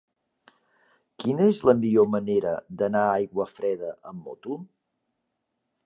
Quina és la millor manera d'anar a Aiguafreda amb moto?